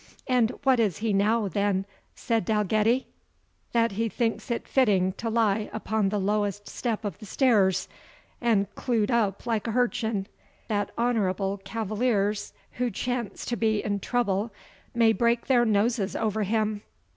"And what is he now, then," said Dalgetty, "that he thinks it fitting to lie upon the lowest step of the stairs, and clew'd up like a hurchin, that honourable cavaliers, who chance to be in trouble, may break their noses over him?"